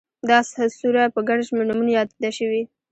دا سوره په گڼ شمېر نومونو ياده شوې